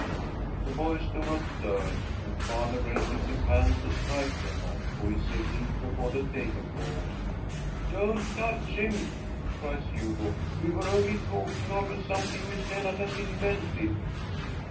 The boys do not stir, and father raises his hand to strike Lennart, who is sitting before the table drawer. "Don't touch him!" cries Hugo. "We were only talking over something which Lennart has invented."